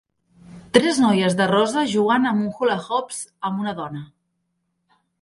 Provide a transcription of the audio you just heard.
Tres noies de rosa jugant amb hula-hoops amb una dona.